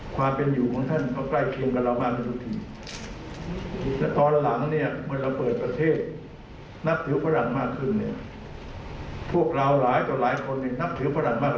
พวกเราหลายต่อหลายคนนับถือฝรั่งมากกว่านับถือพระ